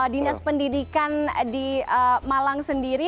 dinas pendidikan di malang sendiri